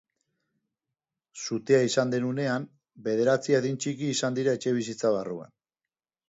Sutea izan den unean, bederatzi adintxiki izan dira etxebizitza barruan.